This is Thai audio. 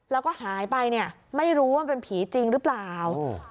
แล้วก็หายไปเนี่ยไม่รู้ว่ามันเป็นผีจริงหรือเปล่า